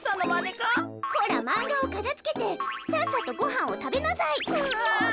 ほらまんがをかたづけてさっさとごはんをたべなさい。